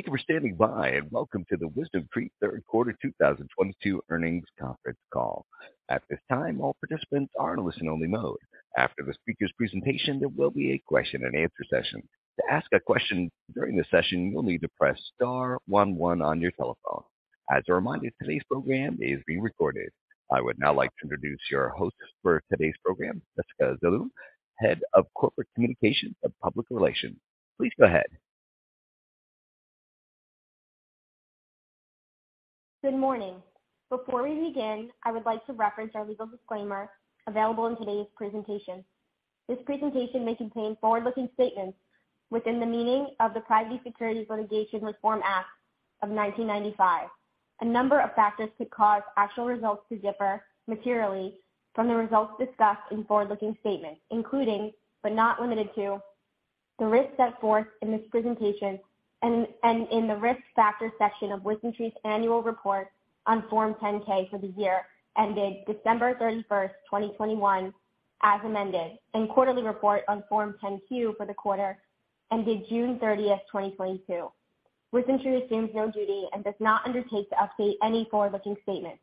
Thank you for standing by, and welcome to the WisdomTree Third Quarter 2022 earnings conference call. At this time, all participants are in listen-only mode. After the speaker's presentation, there will be a question and answer session. To ask a question during the session, you'll need to press star one one on your telephone. As a reminder, today's program is being recorded. I would now like to introduce your host for today's program, Jessica Zaloom, Head of Corporate Communications and Public Relations. Please go ahead. Good morning. Before we begin, I would like to reference our legal disclaimer available in today's presentation. This presentation may contain forward-looking statements within the meaning of the Private Securities Litigation Reform Act of 1995. A number of factors could cause actual results to differ materially from the results discussed in forward-looking statements, including, but not limited to, the risks set forth in this presentation and in the Risk Factors section of WisdomTree's annual report on Form 10-K for the year ended December 31, 2021, as amended, and quarterly report on Form 10-Q for the quarter ended June 30, 2022. WisdomTree assumes no duty and does not undertake to update any forward-looking statements.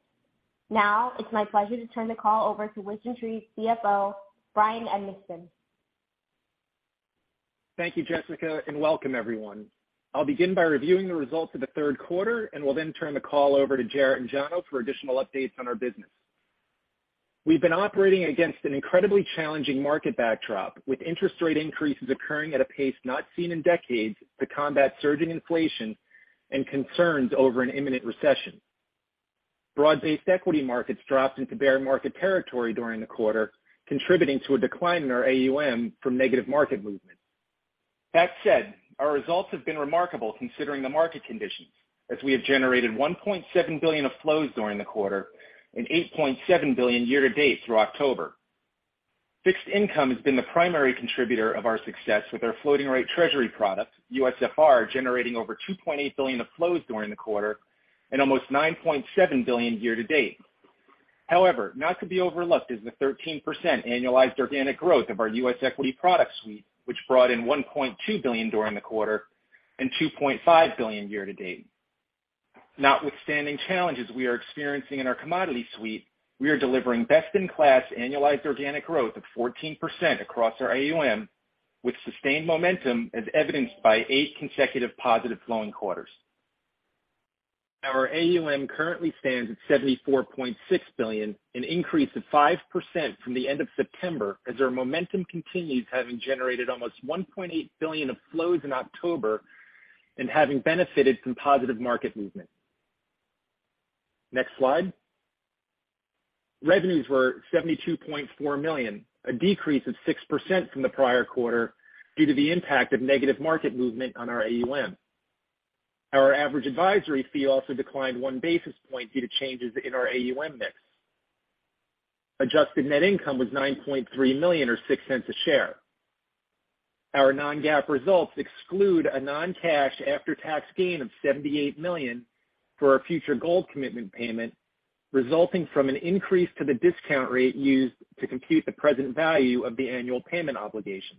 Now, it's my pleasure to turn the call over to WisdomTree's CFO, Bryan Edmiston. Thank you, Jessica, and welcome everyone. I'll begin by reviewing the results of the third quarter, and will then turn the call over to Jarrett and Jono for additional updates on our business. We've been operating against an incredibly challenging market backdrop, with interest rate increases occurring at a pace not seen in decades to combat surging inflation and concerns over an imminent recession. Broad-based equity markets dropped into bear market territory during the quarter, contributing to a decline in our AUM from negative market movement. That said, our results have been remarkable considering the market conditions, as we have generated $1.7 billion of flows during the quarter and $8.7 billion year to date through October. Fixed income has been the primary contributor of our success with our floating rate treasury product, USFR, generating over $2.8 billion of flows during the quarter and almost $9.7 billion year to date. However, not to be overlooked is the 13% annualized organic growth of our US equity product suite, which brought in $1.2 billion during the quarter and $2.5 billion year to date. Notwithstanding challenges we are experiencing in our commodity suite, we are delivering best-in-class annualized organic growth of 14% across our AUM, with sustained momentum as evidenced by 8 consecutive positive flowing quarters. Our AUM currently stands at $74.6 billion, an increase of 5% from the end of September as our momentum continues, having generated almost $1.8 billion of flows in October and having benefited from positive market movement. Next slide. Revenues were $72.4 million, a decrease of 6% from the prior quarter due to the impact of negative market movement on our AUM. Our average advisory fee also declined 1 basis point due to changes in our AUM mix. Adjusted net income was $9.3 million or $0.06 a share. Our non-GAAP results exclude a non-cash after-tax gain of $78 million for our future gold commitment payment, resulting from an increase to the discount rate used to compute the present value of the annual payment obligation.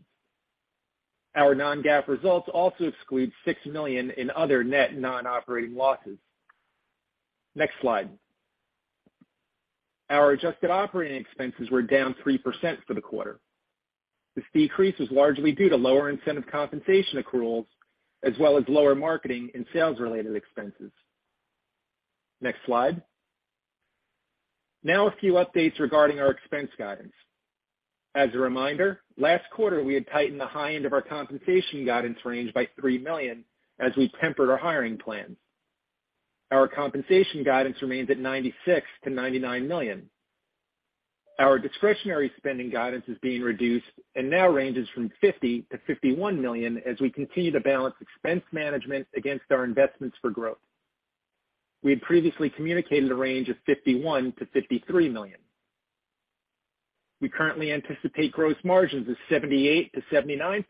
Our non-GAAP results also exclude $6 million in other net non-operating losses. Next slide. Our adjusted operating expenses were down 3% for the quarter. This decrease was largely due to lower incentive compensation accruals as well as lower marketing and sales-related expenses. Next slide. Now a few updates regarding our expense guidance. As a reminder, last quarter, we had tightened the high end of our compensation guidance range by $3 million as we tempered our hiring plans. Our compensation guidance remains at $96 million-$99 million. Our discretionary spending guidance is being reduced and now ranges from $50 million-$51 million as we continue to balance expense management against our investments for growth. We had previously communicated a range of $51 million-$53 million. We currently anticipate gross margins of 78%-79%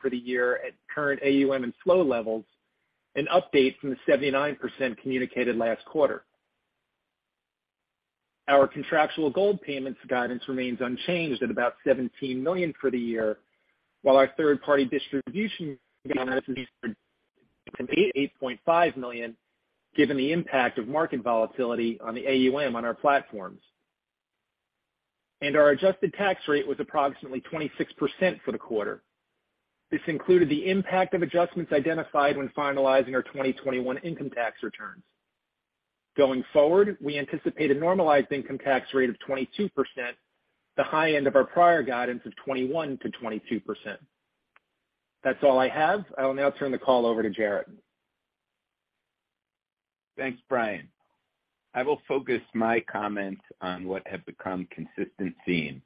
for the year at current AUM and flow levels, an update from the 79% communicated last quarter. Our contractual gold payments guidance remains unchanged at about $17 million for the year, while our third-party distribution guidance is between $8 million-$8.5 million, given the impact of market volatility on the AUM on our platforms. Our adjusted tax rate was approximately 26% for the quarter. This included the impact of adjustments identified when finalizing our 2021 income tax returns. Going forward, we anticipate a normalized income tax rate of 22%, the high end of our prior guidance of 21%-22%. That's all I have. I will now turn the call over to Jarrett. Thanks, Bryan. I will focus my comments on what have become consistent themes: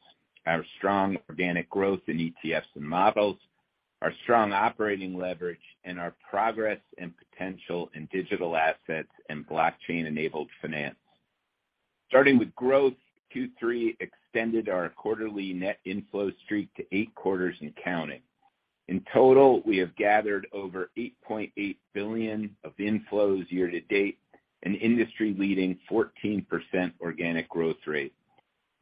our strong organic growth in ETFs and models, our strong operating leverage, and our progress and potential in digital assets and blockchain-enabled finance. Starting with growth, Q3 extended our quarterly net inflow streak to 8 quarters and counting. In total, we have gathered over $8.8 billion of inflows year to date, an industry-leading 14% organic growth rate.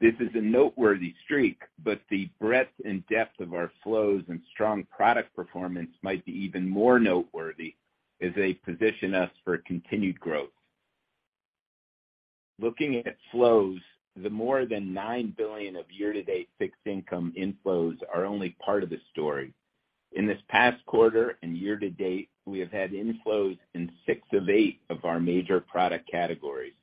This is a noteworthy streak, but the breadth and depth of our flows and strong product performance might be even more noteworthy as they position us for continued growth. Looking at flows, the more than $9 billion of year-to-date fixed income inflows are only part of the story. In this past quarter and year to date, we have had inflows in 6 of 8 of our major product categories.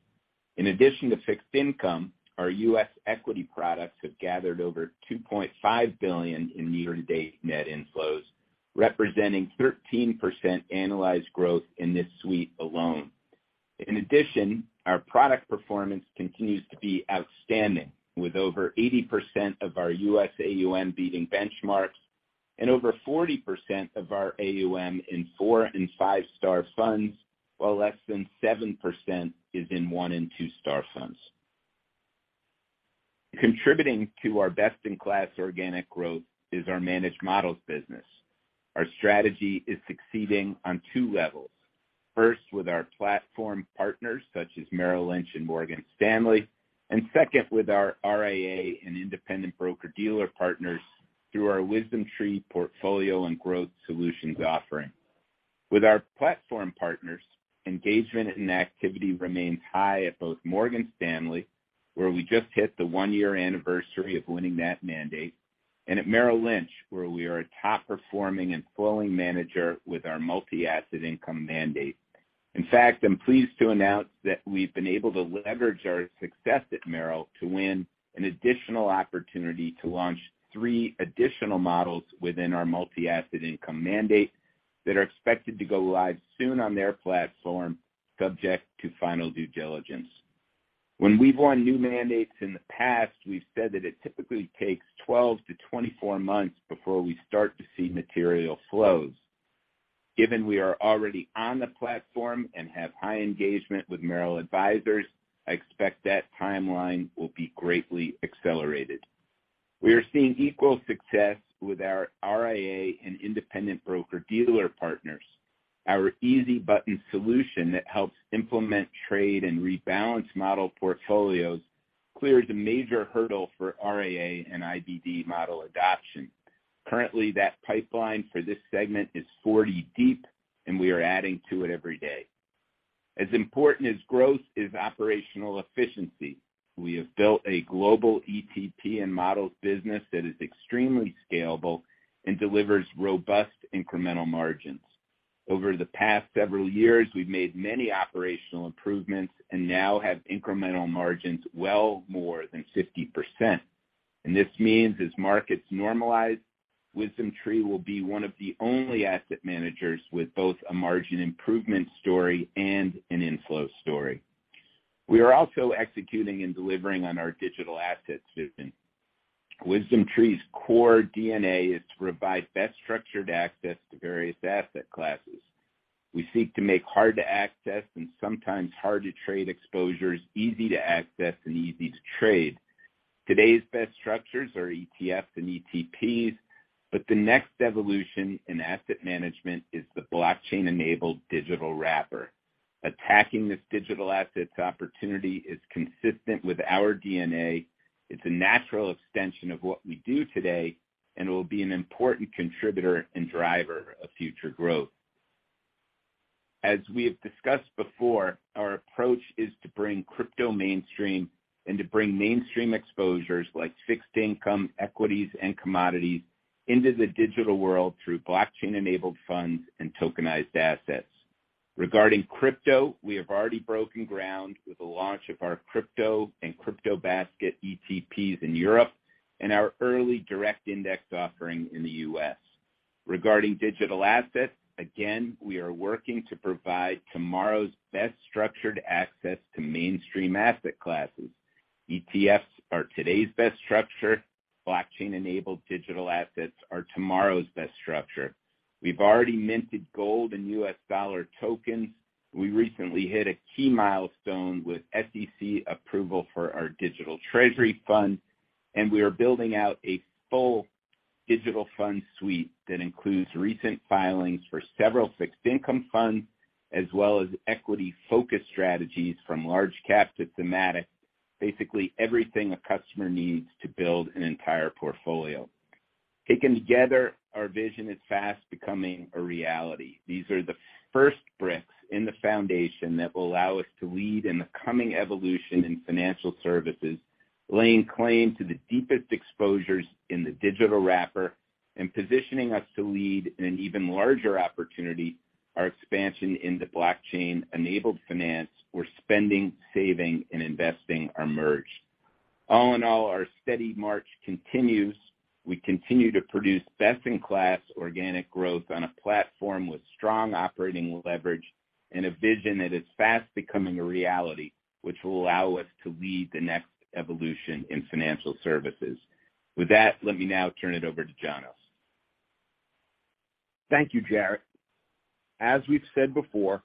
In addition to fixed income, our U.S. equity products have gathered over $2.5 billion in year-to-date net inflows, representing 13% annualized growth in this suite alone. In addition, our product performance continues to be outstanding, with over 80% of our U.S. AUM beating benchmarks and over 40% of our AUM in 4- and 5-star funds, while less than 7% is in 1- and 2-star funds. Contributing to our best-in-class organic growth is our managed models business. Our strategy is succeeding on two levels. First, with our platform partners such as Merrill Lynch and Morgan Stanley, and second, with our RIA and independent broker-dealer partners through our WisdomTree portfolio and growth solutions offering. With our platform partners, engagement and activity remains high at both Morgan Stanley, where we just hit the 1-year anniversary of winning that mandate, and at Merrill Lynch, where we are a top-performing and flowing manager with our multi-asset income mandate. In fact, I'm pleased to announce that we've been able to leverage our success at Merrill to win an additional opportunity to launch 3 additional models within our multi-asset income mandate that are expected to go live soon on their platform, subject to final due diligence. When we've won new mandates in the past, we've said that it typically takes 12-24 months before we start to see material flows. Given we are already on the platform and have high engagement with Merrill advisors, I expect that timeline will be greatly accelerated. We are seeing equal success with our RIA and independent broker-dealer partners. Our easy button solution that helps implement trade and rebalance model portfolios cleared a major hurdle for RIA and IBD model adoption. Currently, that pipeline for this segment is 40 deep, and we are adding to it every day. As important as growth is operational efficiency. We have built a global ETP and models business that is extremely scalable and delivers robust incremental margins. Over the past several years, we've made many operational improvements and now have incremental margins well more than 50%. This means as markets normalize, WisdomTree will be one of the only asset managers with both a margin improvement story and an inflow story. We are also executing and delivering on our digital asset system. WisdomTree's core DNA is to provide best structured access to various asset classes. We seek to make hard-to-access and sometimes hard-to-trade exposures easy to access and easy to trade. Today's best structures are ETFs and ETPs, but the next evolution in asset management is the blockchain-enabled digital wrapper. Attacking this digital assets opportunity is consistent with our DNA. It's a natural extension of what we do today and will be an important contributor and driver of future growth. As we have discussed before, our approach is to bring crypto mainstream and to bring mainstream exposures like fixed income, equities, and commodities into the digital world through blockchain-enabled funds and tokenized assets. Regarding crypto, we have already broken ground with the launch of our crypto and crypto basket ETPs in Europe and our early direct index offering in the U.S. Regarding digital assets, again, we are working to provide tomorrow's best structured access to mainstream asset classes. ETFs are today's best structure. Blockchain-enabled digital assets are tomorrow's best structure. We've already minted gold and U.S. dollar tokens. We recently hit a key milestone with SEC approval for our digital treasury fund, and we are building out a full digital fund suite that includes recent filings for several fixed income funds as well as equity-focused strategies from large cap to thematic, basically everything a customer needs to build an entire portfolio. Taken together, our vision is fast becoming a reality. These are the first bricks in the foundation that will allow us to lead in the coming evolution in financial services, laying claim to the deepest exposures in the digital wrapper and positioning us to lead in an even larger opportunity, our expansion into blockchain-enabled finance, where spending, saving, and investing are merged. All in all, our steady march continues. We continue to produce best-in-class organic growth on a platform with strong operating leverage and a vision that is fast becoming a reality, which will allow us to lead the next evolution in financial services. With that, let me now turn it over to Jono. Thank you, Jarrett. As we've said before,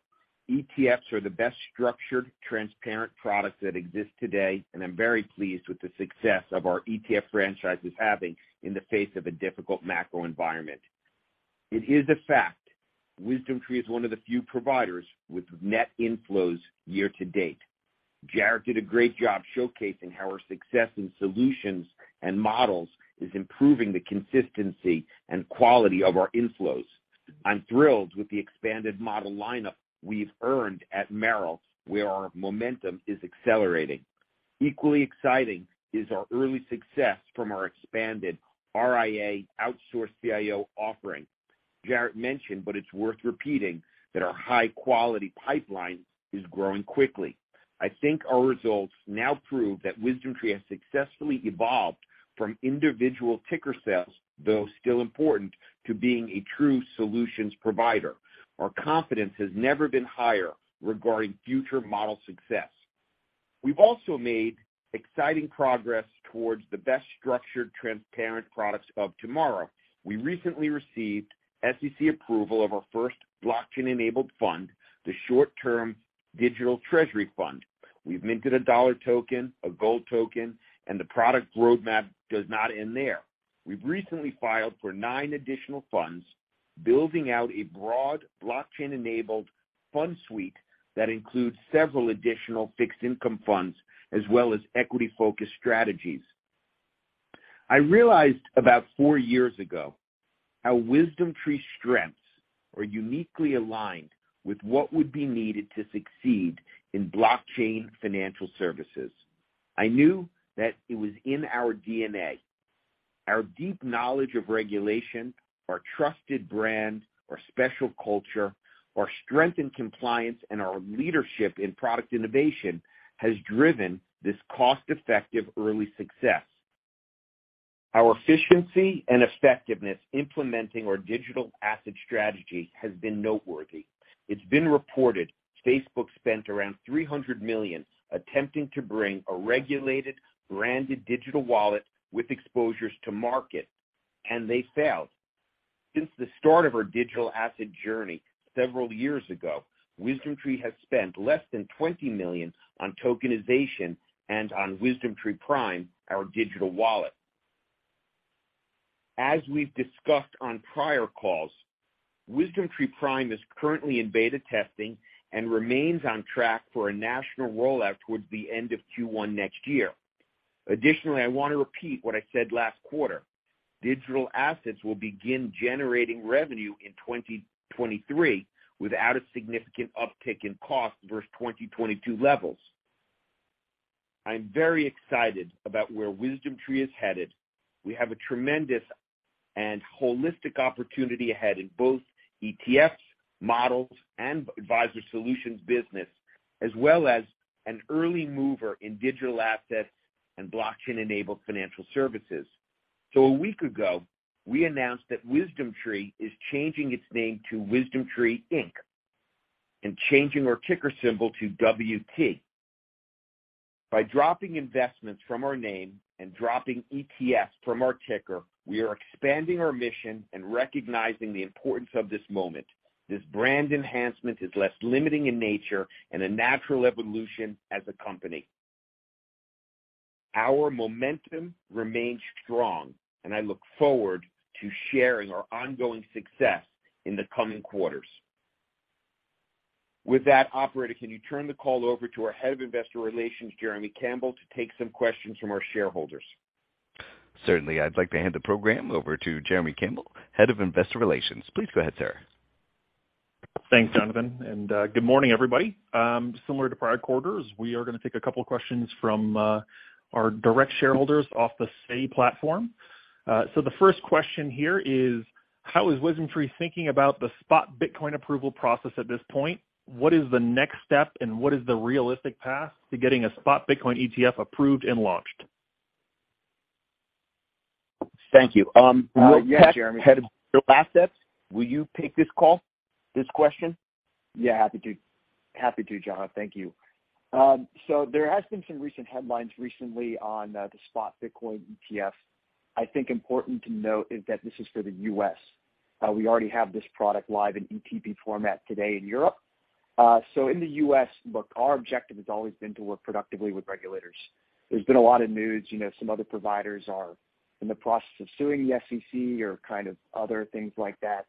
ETFs are the best structured, transparent products that exist today, and I'm very pleased with the success of our ETF franchise is having in the face of a difficult macro environment. It is a fact WisdomTree is one of the few providers with net inflows year to date. Jarrett did a great job showcasing how our success in solutions and models is improving the consistency and quality of our inflows. I'm thrilled with the expanded model lineup we've earned at Merrill, where our momentum is accelerating. Equally exciting is our early success from our expanded RIA outsourced CIO offering. Jarrett mentioned, but it's worth repeating, that our high quality pipeline is growing quickly. I think our results now prove that WisdomTree has successfully evolved from individual ticker sales, though still important, to being a true solutions provider. Our confidence has never been higher regarding future model success. We've also made exciting progress towards the best structured, transparent products of tomorrow. We recently received SEC approval of our first blockchain-enabled fund, the WisdomTree Short-Term Treasury Digital Fund. We've minted a dollar token, a gold token, and the product roadmap does not end there. We've recently filed for 9 additional funds, building out a broad blockchain-enabled fund suite that includes several additional fixed income funds as well as equity-focused strategies. I realized about 4 years ago how WisdomTree's strengths are uniquely aligned with what would be needed to succeed in blockchain financial services. I knew that it was in our DNA. Our deep knowledge of regulation, our trusted brand, our special culture, our strength in compliance, and our leadership in product innovation has driven this cost-effective early success. Our efficiency and effectiveness implementing our digital asset strategy has been noteworthy. It's been reported Facebook spent around $300 million attempting to bring a regulated branded digital wallet with exposures to market, and they failed. Since the start of our digital asset journey several years ago, WisdomTree has spent less than $20 million on tokenization and on WisdomTree Prime, our digital wallet. As we've discussed on prior calls, WisdomTree Prime is currently in beta testing and remains on track for a national rollout towards the end of Q1 next year. Additionally, I want to repeat what I said last quarter. Digital assets will begin generating revenue in 2023 without a significant uptick in cost versus 2022 levels. I'm very excited about where WisdomTree is headed. We have a tremendous and holistic opportunity ahead in both ETFs, models, and advisory solutions business, as well as an early mover in digital assets and blockchain enabled financial services. A week ago, we announced that WisdomTree is changing its name to WisdomTree, Inc. Changing our ticker symbol to WT. By dropping investments from our name and dropping ETF from our ticker, we are expanding our mission and recognizing the importance of this moment. This brand enhancement is less limiting in nature and a natural evolution as a company. Our momentum remains strong and I look forward to sharing our ongoing success in the coming quarters. With that, operator, can you turn the call over to our Head of Investor Relations, Jeremy Campbell, to take some questions from our shareholders? Certainly. I'd like to hand the program over to Jeremy Campbell, Head of Investor Relations. Please go ahead, sir. Thanks, Jonathan, and good morning, everybody. Similar to prior quarters, we are gonna take a couple of questions from our direct shareholders off the Say platform. The first question here is, how is WisdomTree thinking about the spot Bitcoin approval process at this point? What is the next step, and what is the realistic path to getting a spot Bitcoin ETF approved and launched? Thank you. Yeah, Jeremy. Will Peck, Head of Digital Assets, will you take this call, this question? Yeah, happy to. Happy to, Jonathan. Thank you. There has been some recent headlines recently on the spot Bitcoin ETF. I think important to note is that this is for the U.S. We already have this product live in ETP format today in Europe. In the U.S., look, our objective has always been to work productively with regulators. There's been a lot of news. You know, some other providers are in the process of suing the SEC or kind of other things like that.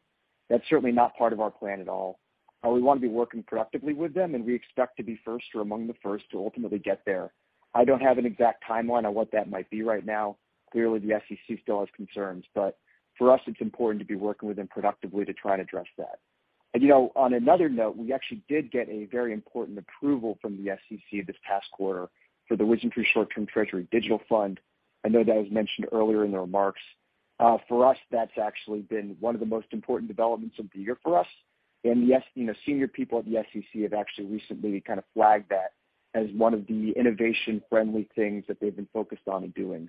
That's certainly not part of our plan at all. We want to be working productively with them, and we expect to be first or among the first to ultimately get there. I don't have an exact timeline on what that might be right now. Clearly, the SEC still has concerns, but for us, it's important to be working with them productively to try and address that. You know, on another note, we actually did get a very important approval from the SEC this past quarter for the WisdomTree Short-Term Treasury Digital Fund. I know that was mentioned earlier in the remarks. For us, that's actually been one of the most important developments of the year for us. You know, senior people at the SEC have actually recently kind of flagged that as one of the innovation friendly things that they've been focused on and doing.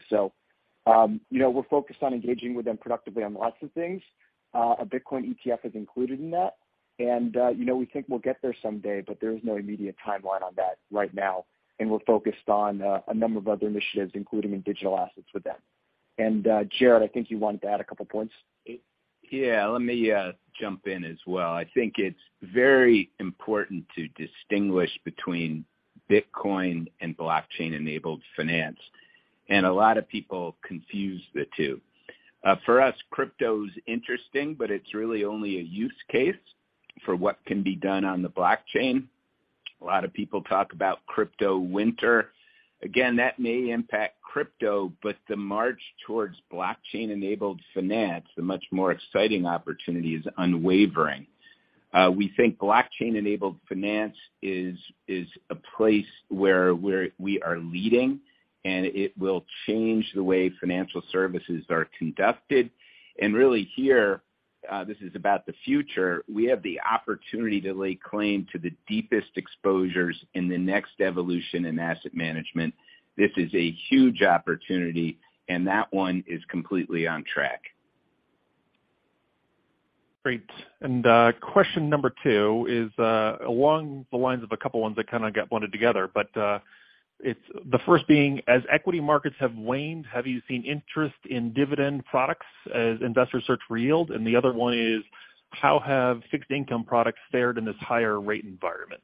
You know, we're focused on engaging with them productively on lots of things. A Bitcoin ETF is included in that. You know, we think we'll get there someday, but there is no immediate timeline on that right now. We're focused on a number of other initiatives, including in digital assets with them. Jarrett, I think you wanted to add a couple points. Yeah, let me jump in as well. I think it's very important to distinguish between Bitcoin and blockchain-enabled finance. A lot of people confuse the two. For us, crypto's interesting, but it's really only a use case for what can be done on the blockchain. A lot of people talk about crypto winter. Again, that may impact crypto, but the march towards blockchain-enabled finance, the much more exciting opportunity, is unwavering. We think blockchain-enabled finance is a place where we are leading, and it will change the way financial services are conducted. Really here, this is about the future. We have the opportunity to lay claim to the deepest exposures in the next evolution in asset management. This is a huge opportunity, and that one is completely on track. Great. Question number two is along the lines of a couple ones that kinda get blended together. It's the first being, as equity markets have waned, have you seen interest in dividend products as investors search for yield? The other one is, how have fixed income products fared in this higher rate environment?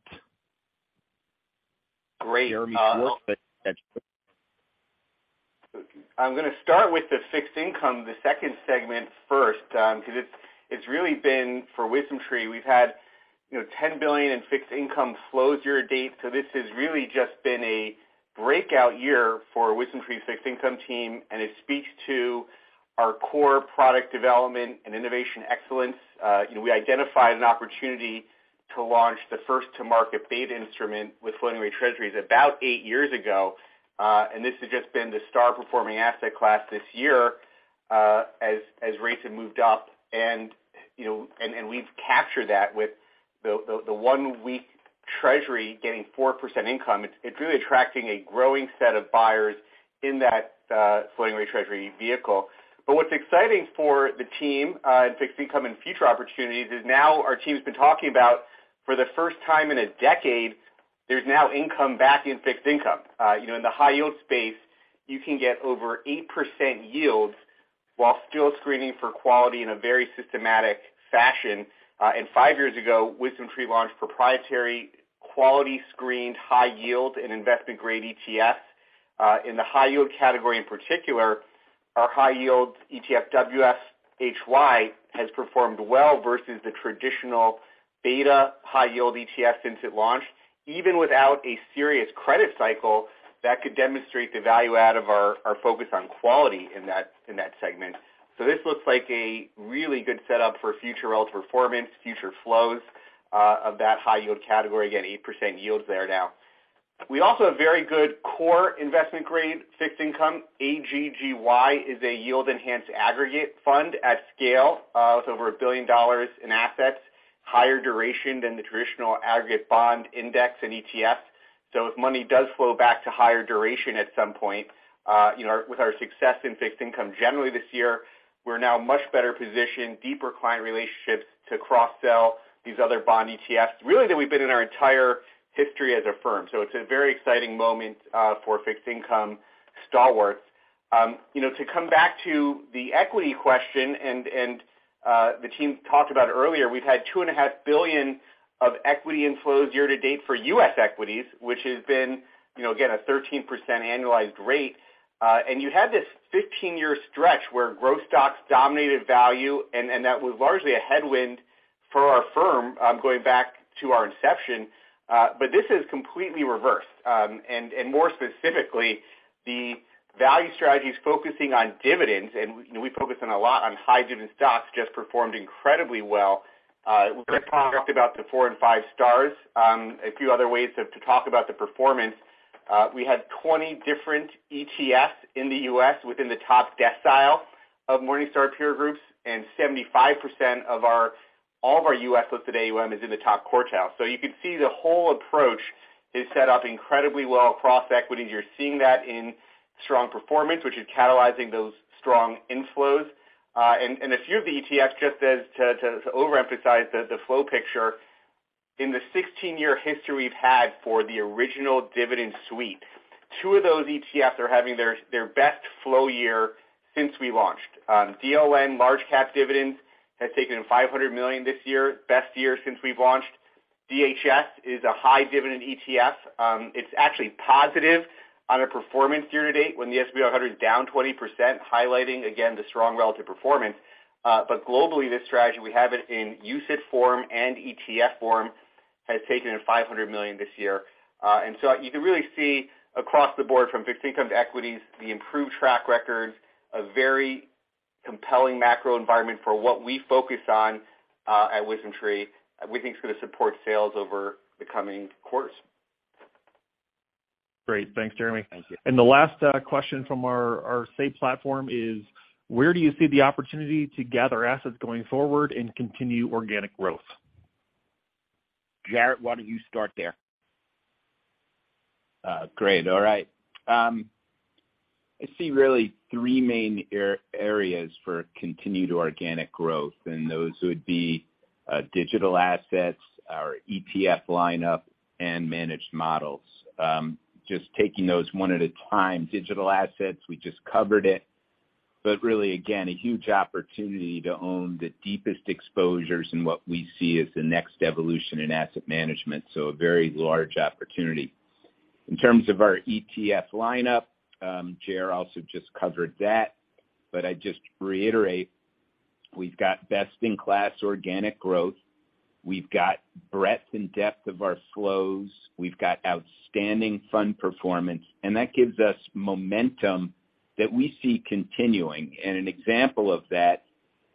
Great. Jeremy, you want to. I'm gonna start with the fixed income, the second segment first, 'cause it's really been, for WisdomTree, we've had, you know, $10 billion in fixed income flows year to date. This has really just been a breakout year for WisdomTree's fixed income team, and it speaks to our core product development and innovation excellence. You know, we identified an opportunity to launch the first-to-market beta instrument with floating rate Treasuries about 8 years ago, and this has just been the star-performing asset class this year, as rates have moved up. You know, we've captured that with the one-week Treasury getting 4% income. It's really attracting a growing set of buyers in that floating rate Treasury vehicle. What's exciting for the team in fixed income and future opportunities is now our team's been talking about, for the first time in a decade, there's now income back in fixed income. You know, in the high yield space, you can get over 8% yields while still screening for quality in a very systematic fashion. And five years ago, WisdomTree launched proprietary quality screened high yield and investment-grade ETFs. In the high yield category in particular, our high yield ETF WFHY has performed well versus the traditional beta high yield ETF since it launched. Even without a serious credit cycle, that could demonstrate the value add of our focus on quality in that segment. This looks like a really good setup for future relative performance, future flows of that high yield category. Again, 8% yields there now. We also have very good core investment grade fixed income. AGGY is a yield enhanced aggregate fund at scale. It's over $1 billion in assets. Higher duration than the traditional aggregate bond index and ETF. If money does flow back to higher duration at some point, you know, with our success in fixed income generally this year, we're now much better positioned, deeper client relationships to cross-sell these other bond ETFs, really than we've been in our entire history as a firm. It's a very exciting moment, for fixed income stalwarts. You know, to come back to the equity question and the team talked about earlier, we've had $2.5 billion of equity inflows year to date for U.S. equities, which has been, you know, again, a 13% annualized rate. You had this 15-year stretch where growth stocks dominated value, and that was largely a headwind for our firm, going back to our inception. This has completely reversed. More specifically, the value strategies focusing on dividends, and you know, we focus on a lot on high dividend stocks, just performed incredibly well. We talked about the four and five stars. A few other ways to talk about the performance, we had 20 different ETFs in the U.S. within the top decile of Morningstar peer groups, and 75% of all of our U.S.-listed AUM is in the top quartile. You can see the whole approach is set up incredibly well across equities. You're seeing that in strong performance, which is catalyzing those strong inflows. A few of the ETFs, just to overemphasize the flow picture, in the 16-year history we've had for the original dividend suite, two of those ETFs are having their best flow year since we launched. DLN, LargeCap Dividend, has taken $500 million this year, best year since we've launched. DHS is a high dividend ETF. It's actually positive on a performance year to date when the S&P 500 is down 20%, highlighting again the strong relative performance. Globally, this strategy, we have it in UCITS form and ETF form, has taken $500 million this year. You can really see across the board from fixed income to equities, the improved track record, a very compelling macro environment for what we focus on at WisdomTree. We think it's gonna support sales over the coming course. Great. Thanks, Jeremy. Thank you. The last question from our Say platform is: Where do you see the opportunity to gather assets going forward and continue organic growth? Jarrett, why don't you start there? Great. All right. I see really three main areas for continued organic growth, and those would be digital assets, our ETF lineup, and managed models. Just taking those one at a time. Digital assets, we just covered it. Really, again, a huge opportunity to own the deepest exposures in what we see as the next evolution in asset management, so a very large opportunity. In terms of our ETF lineup, Jeremy also just covered that, but I just reiterate we've got best-in-class organic growth. We've got breadth and depth of our flows. We've got outstanding fund performance, and that gives us momentum that we see continuing. An example of that,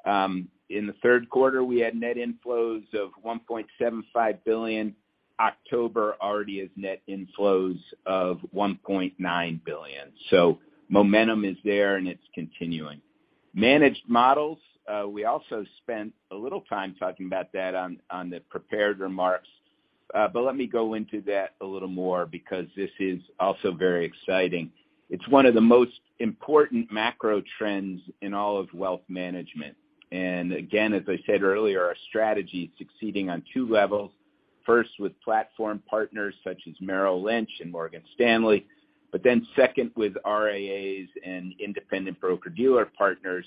in the third quarter, we had net inflows of $1.75 billion. October already has net inflows of $1.9 billion. Momentum is there, and it's continuing. Managed models, we also spent a little time talking about that on the prepared remarks, but let me go into that a little more because this is also very exciting. It's one of the most important macro trends in all of wealth management. Again, as I said earlier, our strategy is succeeding on two levels. First, with platform partners such as Merrill Lynch and Morgan Stanley, but then second with RIAs and independent broker-dealer partners,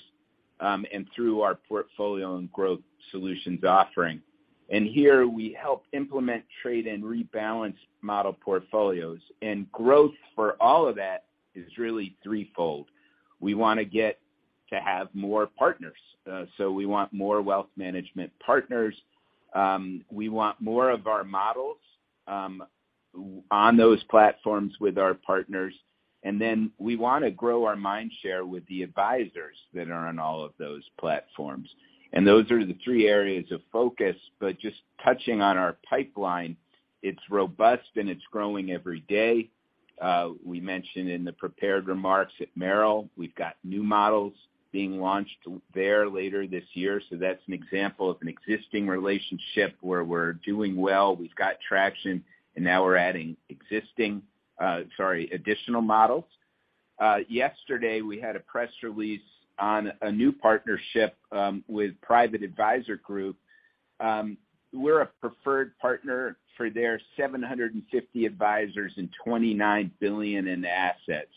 and through our portfolio and growth solutions offering. Here we help implement trade and rebalance model portfolios. Growth for all of that is really threefold. We wanna get to have more partners. So we want more wealth management partners. We want more of our models on those platforms with our partners. We wanna grow our mind share with the advisors that are on all of those platforms. Those are the three areas of focus. Just touching on our pipeline, it's robust, and it's growing every day. We mentioned in the prepared remarks at Merrill, we've got new models being launched there later this year, so that's an example of an existing relationship where we're doing well, we've got traction, and now we're adding additional models. Yesterday we had a press release on a new partnership with Private Advisor Group. We're a preferred partner for their 750 advisors and $29 billion in assets.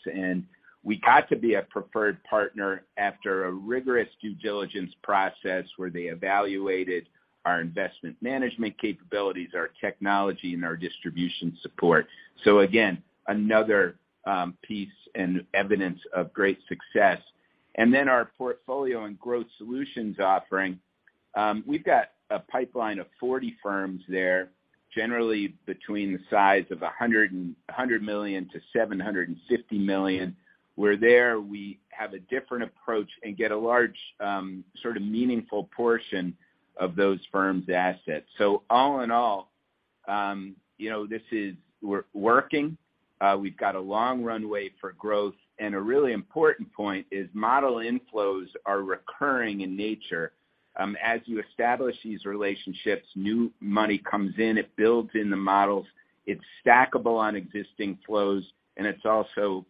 We got to be a preferred partner after a rigorous due diligence process where they evaluated our investment management capabilities, our technology, and our distribution support. Again, another piece and evidence of great success. Our portfolio and growth solutions offering. We've got a pipeline of 40 firms there, generally between the size of $100 million-$750 million, where we have a different approach and get a large sort of meaningful portion of those firms' assets. All in all, you know, this is working. We've got a long runway for growth. A really important point is model inflows are recurring in nature. As you establish these relationships, new money comes in, it builds in the models, it's stackable on existing flows, and it's also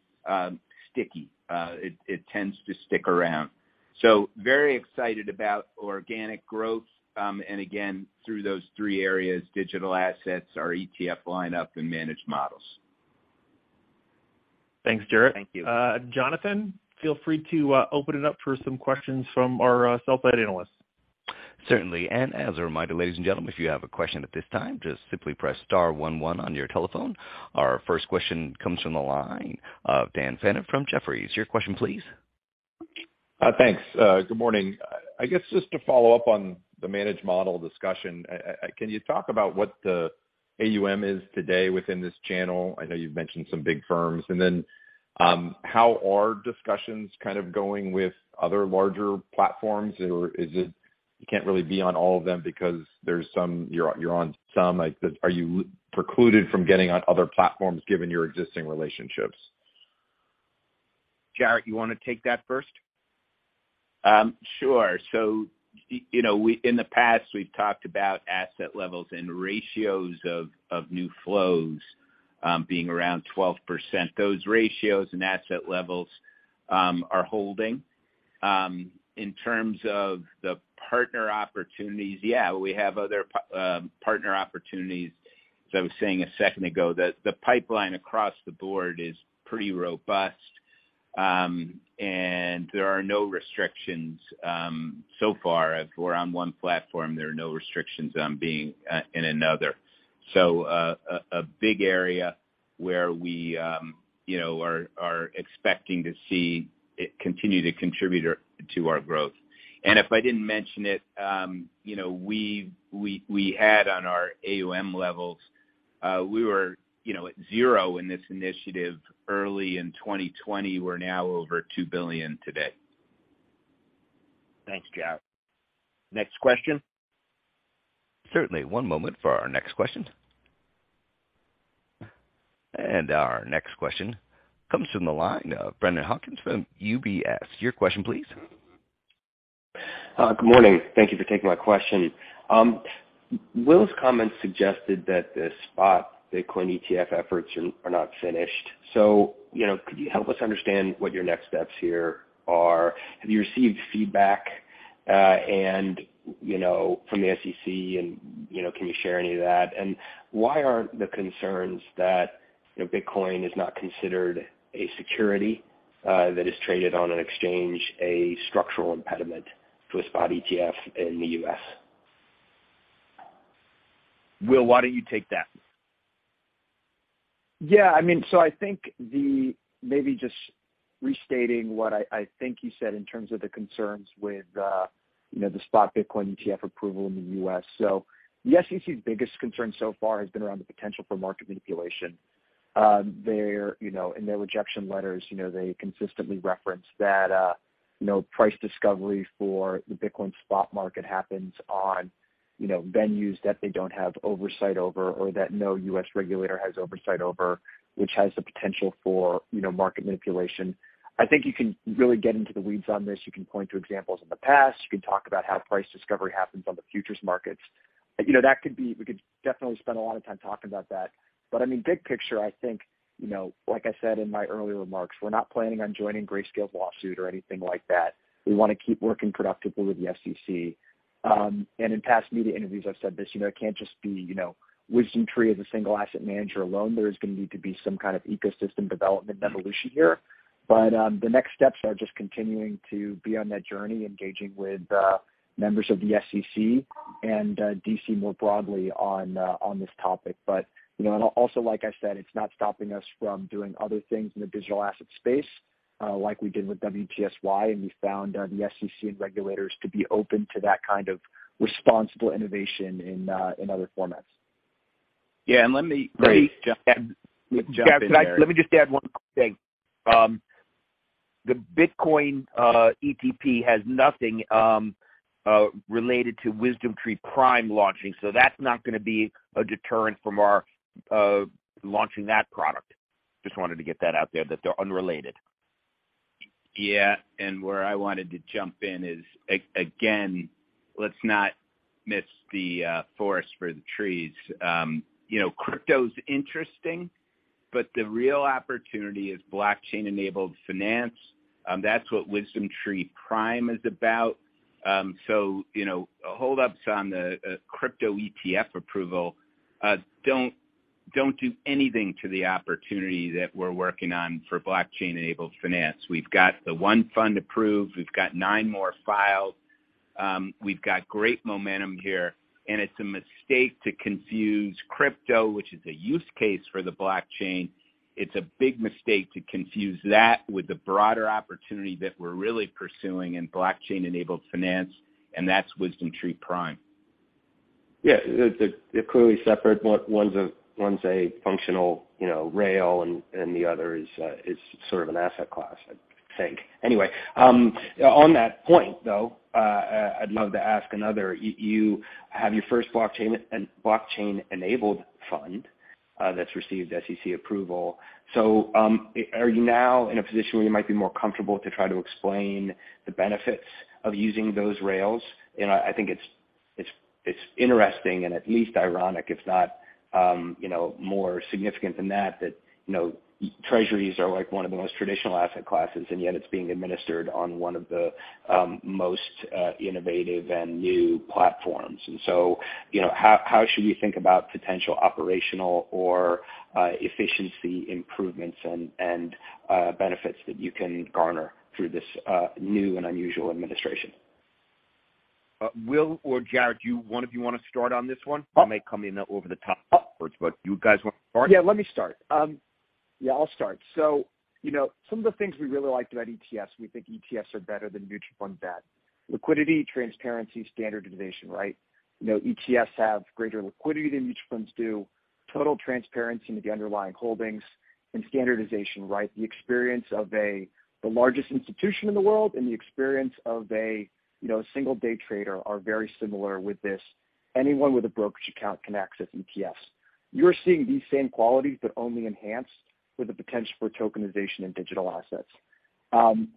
sticky. It tends to stick around. Very excited about organic growth, and again, through those three areas, digital assets, our ETF lineup, and managed models. Thanks, Jarrett. Thank you. Jonathan, feel free to open it up for some questions from our sell-side analysts. Certainly. As a reminder, ladies and gentlemen, if you have a question at this time, just simply press star one one on your telephone. Our first question comes from the line of Dan Fannon from Jefferies. Your question please. Thanks. Good morning. I guess just to follow up on the managed model discussion, can you talk about what the AUM is today within this channel? I know you've mentioned some big firms. How are discussions kind of going with other larger platforms? Or is it you can't really be on all of them because there's some. You're on some. Like, are you precluded from getting on other platforms given your existing relationships? Jarrett, you wanna take that first? Sure. You know, in the past, we've talked about asset levels and ratios of new flows being around 12%. Those ratios and asset levels are holding. In terms of the partner opportunities, yeah, we have other partner opportunities. As I was saying a second ago, the pipeline across the board is pretty robust, and there are no restrictions so far. If we're on one platform, there are no restrictions on being in another. A big area where we you know are expecting to see it continue to contribute to our growth. If I didn't mention it, you know, we add on our AUM levels. We were you know at zero in this initiative early in 2020. We're now over $2 billion today. Thanks, Jarrett. Next question. Certainly. One moment for our next question. Our next question comes from the line of Brennan Hawken from UBS. Your question please. Good morning. Thank you for taking my question. Will's comments suggested that the spot Bitcoin ETF efforts are not finished. You know, could you help us understand what your next steps here are? Have you received feedback, and you know, from the SEC and, you know, can you share any of that? Why aren't the concerns that, you know, Bitcoin is not considered a security that is traded on an exchange, a structural impediment to a spot ETF in the US? Will, why don't you take that? Yeah, I mean, I think maybe just restating what I think you said in terms of the concerns with, you know, the spot Bitcoin ETF approval in the U.S. The SEC's biggest concern so far has been around the potential for market manipulation. Their, you know, in their rejection letters, you know, they consistently reference that, you know, price discovery for the Bitcoin spot market happens on, you know, venues that they don't have oversight over or that no U.S. regulator has oversight over, which has the potential for, you know, market manipulation. I think you can really get into the weeds on this. You can point to examples in the past. You can talk about how price discovery happens on the futures markets. You know, that could be. We could definitely spend a lot of time talking about that. I mean, big picture, I think, you know, like I said in my earlier remarks, we're not planning on joining Grayscale's lawsuit or anything like that. We wanna keep working productively with the SEC. In past media interviews, I've said this, you know, it can't just be, you know, WisdomTree as a single asset manager alone. There is gonna need to be some kind of ecosystem development evolution here. The next steps are just continuing to be on that journey, engaging with members of the SEC and D.C. more broadly on this topic. You know, and also, like I said, it's not stopping us from doing other things in the digital asset space, like we did with WTSY, and we found the SEC and regulators to be open to that kind of responsible innovation in other formats. Yeah. Let me- Great. Let me jump in. Jarrett, let me just add one quick thing. The Bitcoin ETP has nothing related to WisdomTree Prime launching, so that's not gonna be a deterrent from our launching that product. Just wanted to get that out there that they're unrelated. Yeah. Where I wanted to jump in is again, let's not miss the forest for the trees. You know, crypto's interesting, but the real opportunity is blockchain-enabled finance. That's what WisdomTree Prime is about. You know, holdups on the crypto ETF approval don't do anything to the opportunity that we're working on for blockchain-enabled finance. We've got the one fund approved. We've got nine more filed. We've got great momentum here, and it's a mistake to confuse crypto, which is a use case for the blockchain. It's a big mistake to confuse that with the broader opportunity that we're really pursuing in blockchain-enabled finance, and that's WisdomTree Prime. Yeah. They're clearly separate. One's a functional, you know, rail and the other is sort of an asset class, I think. Anyway, on that point, though, I'd love to ask another. You have your first blockchain-enabled fund that's received SEC approval. So, are you now in a position where you might be more comfortable to try to explain the benefits of using those rails? I think it's interesting and at least ironic, if not, you know, more significant than that you know, treasuries are like one of the most traditional asset classes, and yet it's being administered on one of the most innovative and new platforms. You know, how should we think about potential operational or efficiency improvements and benefits that you can garner through this new and unusual administration? Will or Jarrett, do one of you wanna start on this one? I may come in over the top approach, but you guys wanna start? I'll start. You know, some of the things we really liked about ETFs, we think ETFs are better than mutual funds, that liquidity, transparency, standardization, right? You know, ETFs have greater liquidity than mutual funds do, total transparency into the underlying holdings and standardization, right? The experience of a, the largest institution in the world and the experience of a, you know, single day trader are very similar with this. Anyone with a brokerage account can access ETFs. You're seeing these same qualities, but only enhanced with the potential for tokenization in digital assets.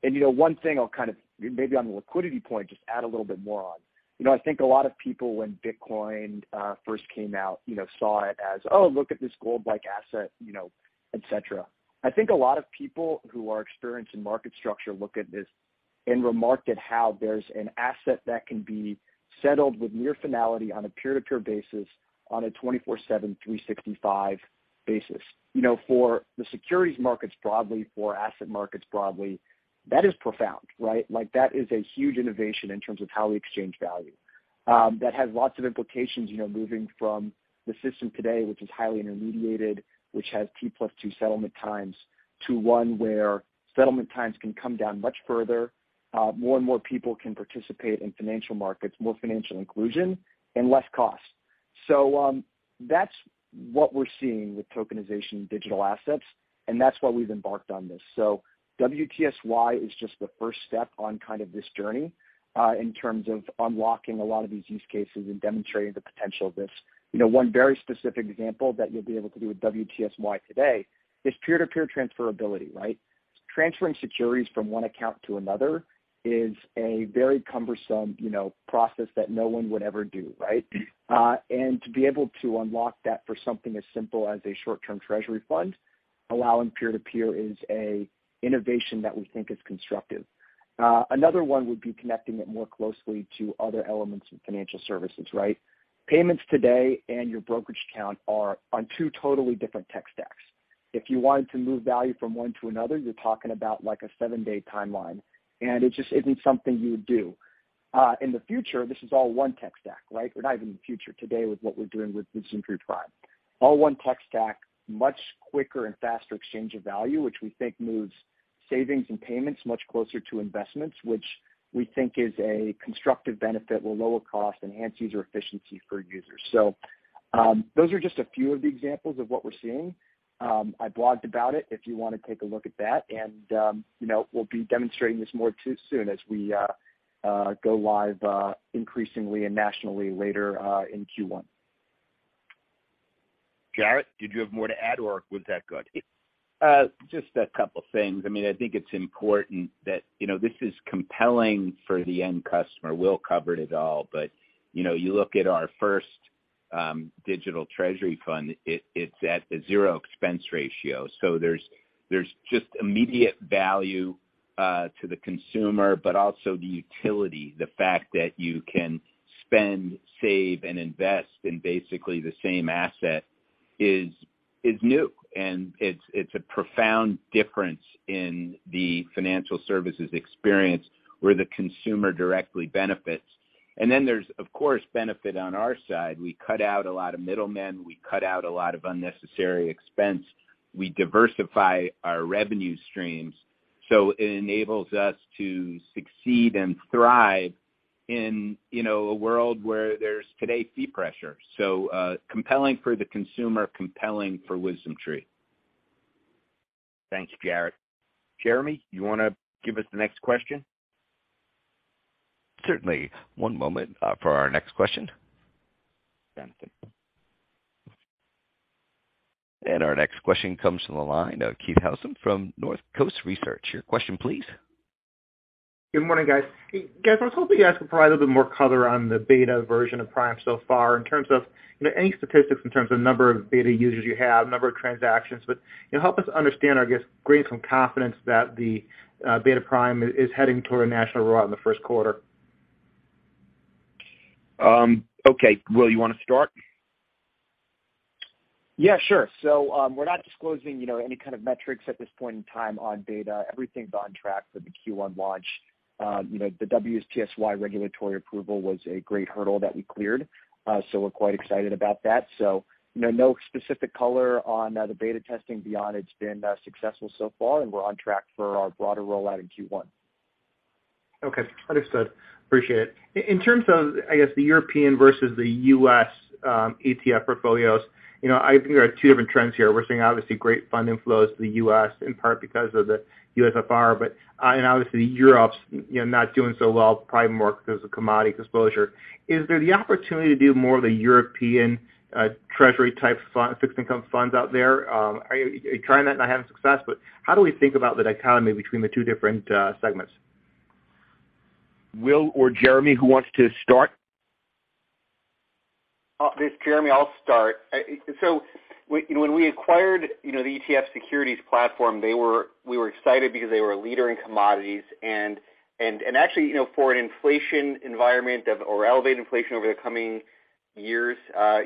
You know, one thing I'll kind of maybe on the liquidity point, just add a little bit more on. You know, I think a lot of people when Bitcoin first came out, you know, saw it as, "Oh, look at this gold-like asset," you know, et cetera. I think a lot of people who are experienced in market structure look at this and remarked at how there's an asset that can be settled with near finality on a peer-to-peer basis on a 24/7, 365 basis. You know, for the securities markets broadly, for asset markets broadly, that is profound, right? Like, that is a huge innovation in terms of how we exchange value. That has lots of implications, you know, moving from the system today, which is highly intermediated, which has T+2 settlement times, to one where settlement times can come down much further. More and more people can participate in financial markets, more financial inclusion and less cost. That's what we're seeing with tokenization in digital assets, and that's why we've embarked on this. WTSY is just the first step on kind of this journey in terms of unlocking a lot of these use cases and demonstrating the potential of this. You know, one very specific example that you'll be able to do with WTSY today is peer-to-peer transferability, right? Transferring securities from one account to another is a very cumbersome, you know, process that no one would ever do, right? And to be able to unlock that for something as simple as a short-term treasury fund. Allowing peer-to-peer is an innovation that we think is constructive. Another one would be connecting it more closely to other elements of financial services, right? Payments today and your brokerage account are on two totally different tech stacks. If you wanted to move value from one to another, you're talking about like a seven-day timeline, and it just isn't something you would do. In the future, this is all one tech stack, right? We're not even in the future today with what we're doing with WisdomTree Prime. All one tech stack, much quicker and faster exchange of value, which we think moves savings and payments much closer to investments, which we think is a constructive benefit, will lower cost, enhance user efficiency for users. Those are just a few of the examples of what we're seeing. I blogged about it if you wanna take a look at that. You know, we'll be demonstrating this more too soon as we go live increasingly and nationally later in Q1. Jarrett, did you have more to add, or was that good? Just a couple things. I mean, I think it's important that, you know, this is compelling for the end customer. Will covered it all, but, you know, you look at our first digital treasury fund, it's at a zero expense ratio. So there's just immediate value to the consumer, but also the utility. The fact that you can spend, save, and invest in basically the same asset is new, and it's a profound difference in the financial services experience where the consumer directly benefits. There's, of course, benefit on our side. We cut out a lot of middlemen. We cut out a lot of unnecessary expense. We diversify our revenue streams, so it enables us to succeed and thrive in, you know, a world where there's today fee pressure. Compelling for the consumer, compelling for WisdomTree. Thanks, Jarrett. Jeremy, you wanna give us the next question? Certainly. One moment for our next question. Fantastic. Our next question comes from the line of Keith Housum from Northcoast Research. Your question please. Good morning, guys. Guys, I was hoping you guys could provide a little bit more color on the beta version of Prime so far in terms of any statistics, in terms of number of beta users you have, number of transactions. You know, help us understand, or I guess, gain some confidence that the beta Prime is heading toward a national rollout in the first quarter. Okay. Will, you wanna start? Yeah, sure. We're not disclosing, you know, any kind of metrics at this point in time on beta. Everything's on track for the Q1 launch. You know, the WTSYX regulatory approval was a great hurdle that we cleared, so we're quite excited about that. You know, no specific color on the beta testing beyond it's been successful so far, and we're on track for our broader rollout in Q1. Okay. Understood. Appreciate it. In terms of, I guess, the European versus the US ETF portfolios, you know, I think there are two different trends here. We're seeing obviously great fund inflows to the US, in part because of the USFR. Obviously Europe's, you know, not doing so well, probably more because of commodity exposure. Is there the opportunity to do more of the European treasury-type fixed income funds out there? Are you trying that and not having success? How do we think about the dichotomy between the two different segments? Will or Jeremy, who wants to start? This is Jeremy. I'll start. When we acquired, you know, the ETF Securities platform, we were excited because they were a leader in commodities. Actually, you know, for an inflation environment or elevated inflation over the coming years,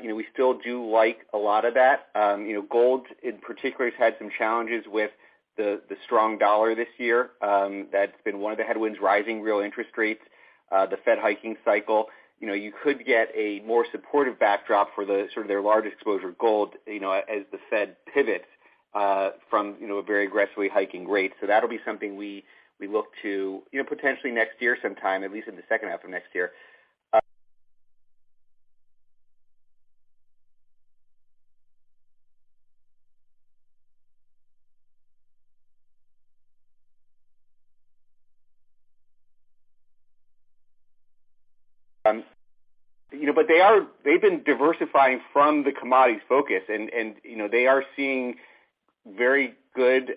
you know, we still do like a lot of that. You know, gold in particular has had some challenges with the strong dollar this year. That's been one of the headwinds, rising real interest rates, the Fed hiking cycle. You know, you could get a more supportive backdrop for the sort of their large exposure gold, you know, as the Fed pivots from, you know, a very aggressively hiking rate. That'll be something we look to, you know, potentially next year sometime, at least in the second half of next year. You know, but they are. They've been diversifying from the commodities focus and you know, they are seeing very good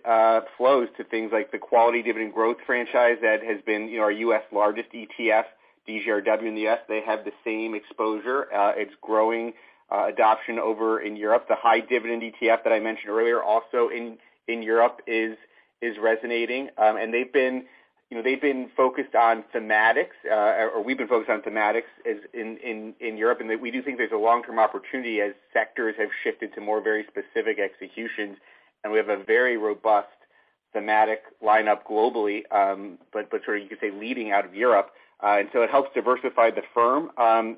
flows to things like the quality dividend growth franchise that has been, you know, our U.S. largest ETF, DGRW in the U.S. They have the same exposure. It's growing adoption over in Europe. The high dividend ETF that I mentioned earlier also in Europe is resonating. You know, they've been focused on thematics, or we've been focused on thematics in Europe. We do think there's a long-term opportunity as sectors have shifted to more very specific executions. We have a very robust thematic lineup globally, but sort of you could say leading out of Europe. It helps diversify the firm.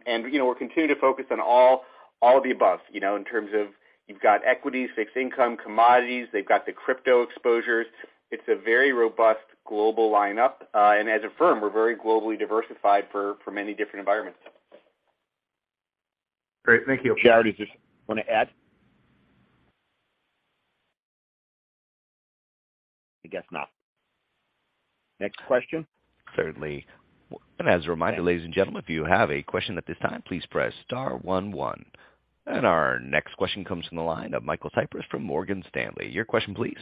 You know, we're continuing to focus on all of the above, you know, in terms of you've got equities, fixed income, commodities, they've got the crypto exposures. It's a very robust global lineup. As a firm, we're very globally diversified for many different environments. Great. Thank you. Jarrett, did you want to add? I guess not. Next question. Certainly. As a reminder, ladies and gentlemen, if you have a question at this time, please press star one one. Our next question comes from the line of Michael Cyprys from Morgan Stanley. Your question please.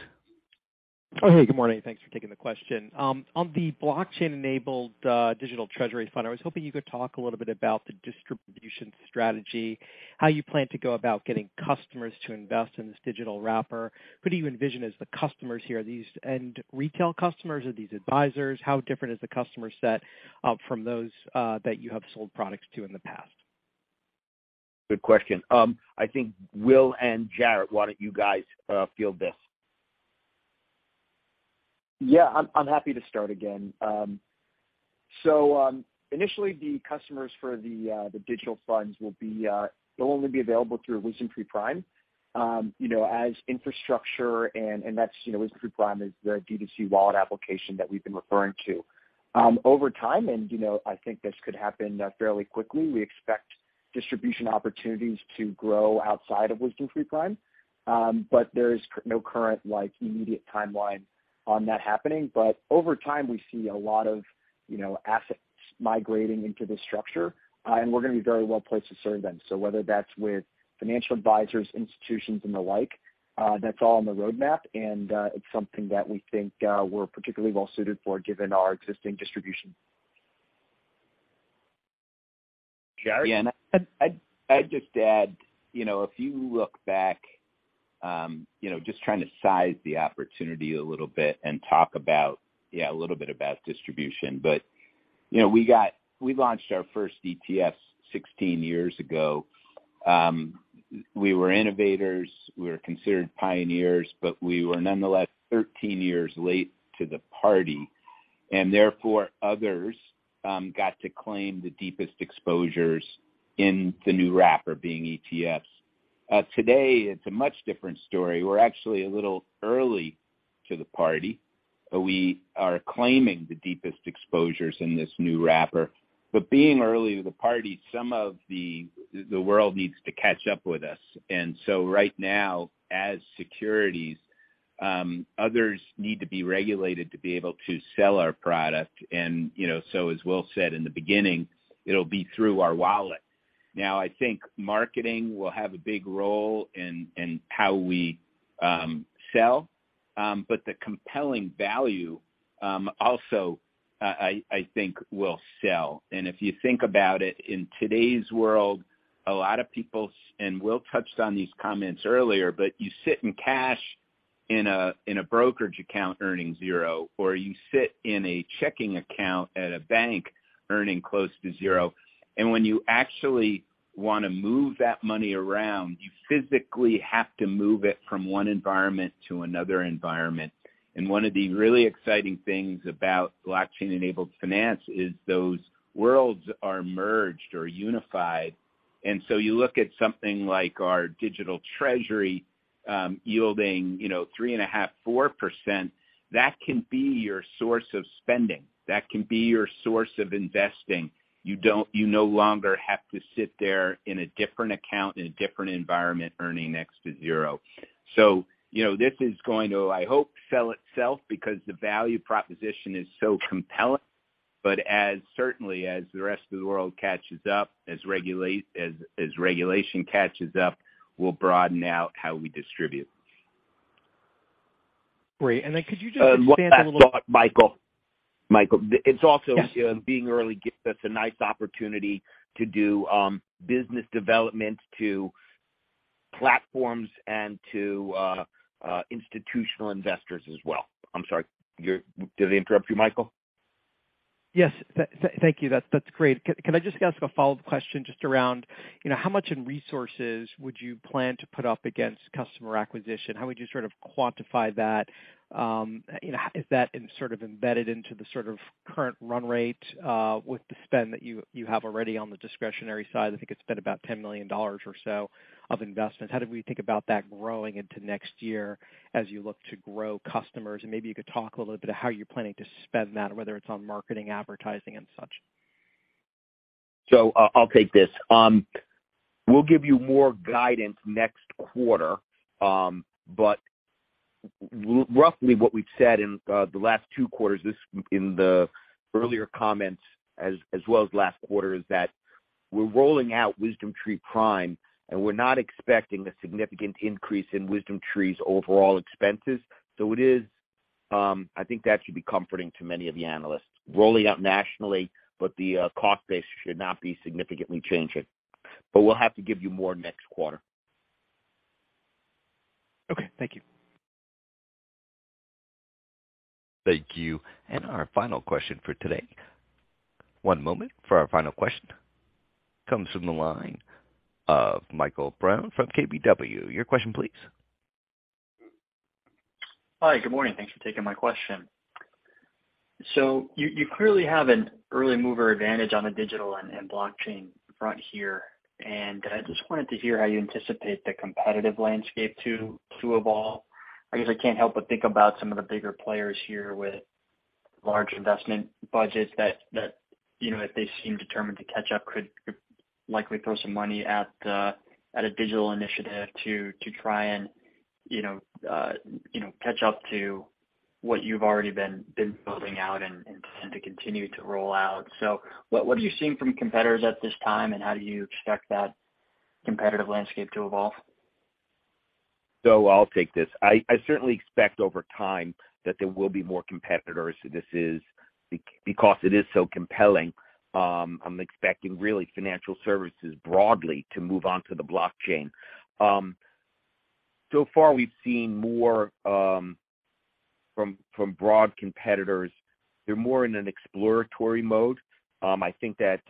Oh, hey, good morning. Thanks for taking the question. On the blockchain-enabled digital treasury fund, I was hoping you could talk a little bit about the distribution strategy, how you plan to go about getting customers to invest in this digital wrapper. Who do you envision as the customers here? Are these end retail customers? Are these advisors? How different is the customer set from those that you have sold products to in the past? Good question. I think Will and Jarrett, why don't you guys field this? Yeah. I'm happy to start again. Initially the customers for the digital funds will be they'll only be available through WisdomTree Prime, you know, as infrastructure and that's, you know, WisdomTree Prime is the D2C wallet application that we've been referring to. Over time, and you know, I think this could happen fairly quickly, we expect distribution opportunities to grow outside of WisdomTree Prime. There is no current, like, immediate timeline on that happening. Over time, we see a lot of, you know, assets migrating into this structure, and we're gonna be very well placed to serve them. Whether that's with financial advisors, institutions, and the like, that's all on the roadmap, and it's something that we think, we're particularly well suited for given our existing distribution. Jarrett? Yeah. I'd just add, you know, if you look back, you know, just trying to size the opportunity a little bit and talk about, yeah, a little bit about distribution. You know, we launched our first ETF 16 years ago. We were innovators, we were considered pioneers, but we were nonetheless 13 years late to the party, and therefore others got to claim the deepest exposures in the new wrapper being ETFs. Today, it's a much different story. We're actually a little early to the party. We are claiming the deepest exposures in this new wrapper. But being early to the party, some of the world needs to catch up with us. Right now as securities, others need to be regulated to be able to sell our product. You know, so as Will said in the beginning, it'll be through our wallet. Now, I think marketing will have a big role in how we sell. But the compelling value also I think will sell. If you think about it, in today's world, a lot of people, and Will touched on these comments earlier, but you sit in cash in a brokerage account earning zero, or you sit in a checking account at a bank earning close to zero. When you actually wanna move that money around, you physically have to move it from one environment to another environment. One of the really exciting things about blockchain-enabled finance is those worlds are merged or unified. You look at something like our digital treasury, yielding, you know, 3.5%-4%, that can be your source of spending. That can be your source of investing. You no longer have to sit there in a different account, in a different environment, earning next to zero. This is going to, I hope, sell itself because the value proposition is so compelling. As certainly as the rest of the world catches up, as regulation catches up, we'll broaden out how we distribute. Great. Could you just expand a little. One last thought, Michael. Michael, it's also. Yeah. Being early gives us a nice opportunity to do business development to platforms and to institutional investors as well. I'm sorry. Did I interrupt you, Michael? Yes. Thank you. That's great. Can I just ask a follow-up question just around how much in resources would you plan to put up against customer acquisition? How would you sort of quantify that? Is that sort of embedded into the sort of current run rate with the spend that you have already on the discretionary side? I think it's been about $10 million or so of investments. How do we think about that growing into next year as you look to grow customers? Maybe you could talk a little bit about how you're planning to spend that, whether it's on marketing, advertising, and such. I'll take this. We'll give you more guidance next quarter. Roughly what we've said in the last two quarters, this in the earlier comments as well as last quarter, is that we're rolling out WisdomTree Prime, and we're not expecting a significant increase in WisdomTree's overall expenses. It is. I think that should be comforting to many of the analysts. Rolling out nationally, the cost base should not be significantly changing. We'll have to give you more next quarter. Okay. Thank you. Thank you. Our final question for today, one moment for our final question. Comes from the line of Michael Brown from KBW. Your question, please. Hi. Good morning. Thanks for taking my question. You clearly have an early mover advantage on the digital and blockchain front here, and I just wanted to hear how you anticipate the competitive landscape to evolve. I guess I can't help but think about some of the bigger players here with large investment budgets that, you know, if they seem determined to catch up, could likely throw some money at a digital initiative to try and, you know, catch up to what you've already been building out and plan to continue to roll out. What are you seeing from competitors at this time, and how do you expect that competitive landscape to evolve? I'll take this. I certainly expect over time that there will be more competitors. Because it is so compelling, I'm expecting really financial services broadly to move on to the blockchain. So far we've seen more from broad competitors. They're more in an exploratory mode. I think that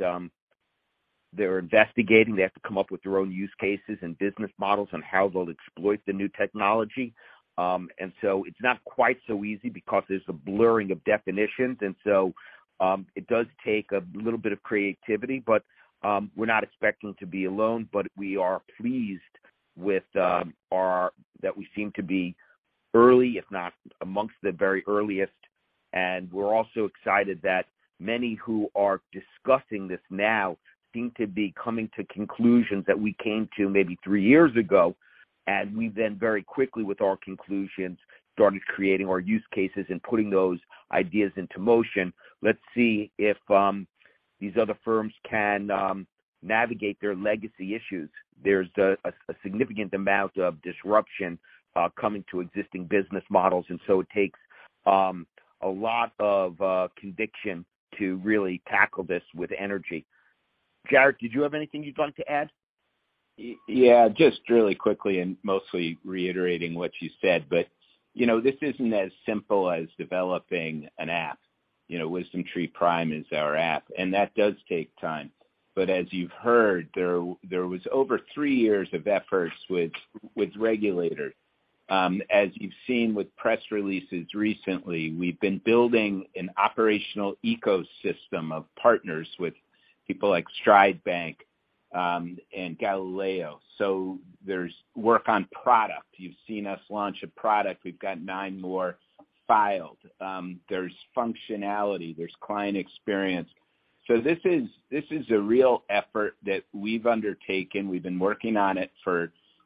they're investigating. They have to come up with their own use cases and business models on how they'll exploit the new technology. It's not quite so easy because there's a blurring of definitions. It does take a little bit of creativity, but we're not expecting to be alone. We are pleased that we seem to be early, if not amongst the very earliest. We're also excited that many who are discussing this now seem to be coming to conclusions that we came to maybe three years ago, and we then very quickly, with our conclusions, started creating our use cases and putting those ideas into motion. Let's see if these other firms can navigate their legacy issues. There's a significant amount of disruption coming to existing business models, and so it takes a lot of conviction to really tackle this with energy. Jarrett, did you have anything you'd like to add? Yeah, just really quickly and mostly reiterating what you said. You know, this isn't as simple as developing an app. You know, WisdomTree Prime is our app, and that does take time. As you've heard, there was over three years of efforts with regulators. As you've seen with press releases recently, we've been building an operational ecosystem of partners with people like Stride Bank and Galileo. There's work on product. You've seen us launch a product. We've got 9 more filed. There's functionality, there's client experience. This is a real effort that we've undertaken. We've been working on it,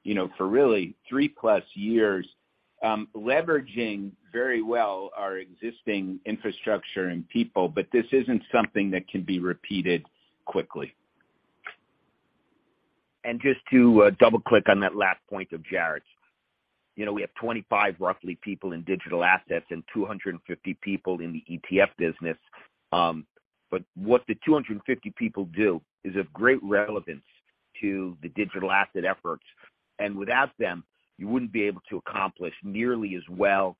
you know, for really 3+ years, leveraging very well our existing infrastructure and people. This isn't something that can be repeated quickly. Just to double-click on that last point of Jarrett's. You know, we have 25, roughly, people in digital assets and 250 people in the ETF business. What the 250 people do is of great relevance to the digital asset efforts. Without them, you wouldn't be able to accomplish nearly as well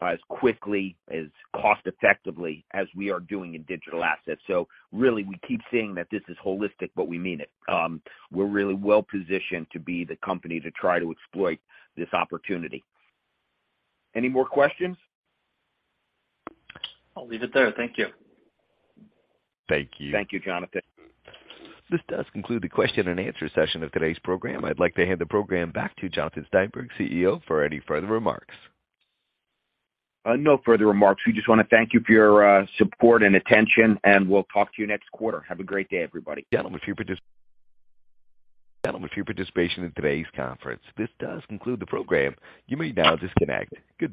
or as quickly, as cost effectively as we are doing in digital assets. Really we keep saying that this is holistic, but we mean it. We're really well positioned to be the company to try to exploit this opportunity. Any more questions? I'll leave it there. Thank you. Thank you. Thank you, Jonathan. This does conclude the question and answer session of today's program. I'd like to hand the program back to Jonathan Steinberg, CEO, for any further remarks. No further remarks. We just wanna thank you for your support and attention, and we'll talk to you next quarter. Have a great day, everybody. Gentlemen, with your participation in today's conference, this does conclude the program. You may now disconnect. Good day.